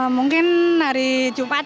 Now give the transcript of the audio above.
mungkin hari jumat